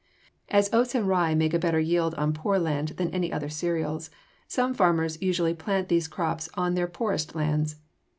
As oats and rye make a better yield on poor land than any other cereals, some farmers usually plant these crops on their poorest lands.